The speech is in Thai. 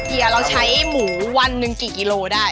เกียร์เราใช้หมูวันหนึ่งกี่กิโลได้